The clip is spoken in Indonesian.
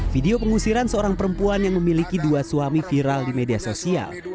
video pengusiran seorang perempuan yang memiliki dua suami viral di media sosial